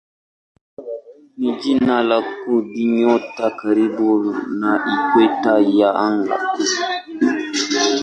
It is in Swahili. ni jina la kundinyota karibu na ikweta ya anga.